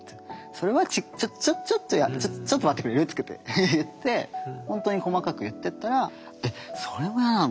「それはちょちょっと嫌ちょっと待ってくれる」とかって言って本当に細かく言ってったら「えっそれも嫌なの？」